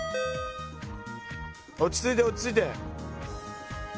落ち着いて落ち着いて。